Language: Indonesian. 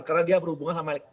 karena dia berhubungan sama